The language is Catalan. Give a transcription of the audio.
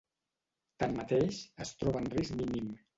Tanmateix, es troba en risc mínim.